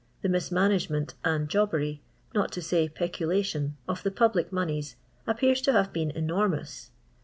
The mismanagement and jobbery, not to say peculation, of the public moneys, appear to have been enormous.